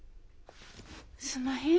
すんまへん。